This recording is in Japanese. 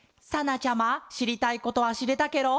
なちゃましりたいことはしれたケロ？